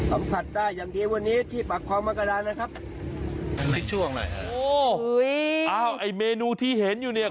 โอ้อ้าวไอ้เมนูที่เห็นอยู่เนี่ย